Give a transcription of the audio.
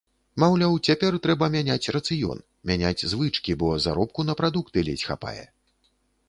Маўляў, цяпер трэба мяняць рацыён, мяняць звычкі, бо заробку на прадукты ледзь хапае.